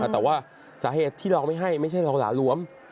แต่ว่าสาเหตุที่เราไม่ให้ไม่ใช่เราหลาล้วม